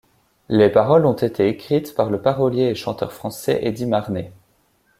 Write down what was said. Les paroles ont été écrites par le parolier et chanteur français Eddy Marnay.